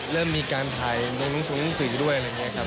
เริ่มมีการถ่ายในหนังสือด้วยอะไรอย่างนี้ครับ